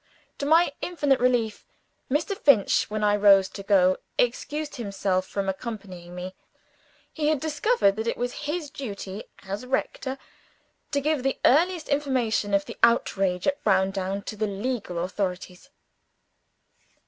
To my infinite relief, Mr. Finch, when I rose to go, excused himself from accompanying me. He had discovered that it was his duty, as rector, to give the earliest information of the outrage at Browndown to the legal authorities.